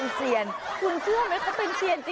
ออฟคือเห็นรูปูปั๊บแหงลงไปและได้ปู